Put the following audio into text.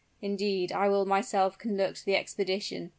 Indeed, I will myself conduct the expedition.